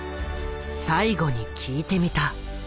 最後に聞いてみた。